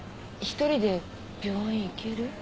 １人で病院行ける？